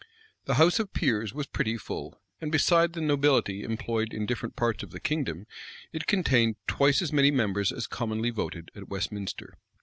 [*] The house of peers was pretty full; and, beside the nobility employed in different parts of the kingdom, it contained twice as many members as commonly voted at Westminster.